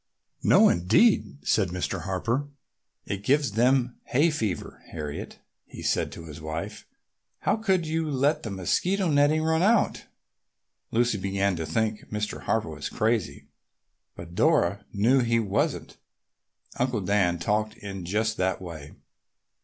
"No, indeed!" said Mr. Harper. "It gives them hay fever. Harriet," he said to his wife, "how could you let the mosquito netting run out?" Lucy began to think Mr. Harper was crazy, but Dora knew he wasn't. Uncle Dan talked in just that way.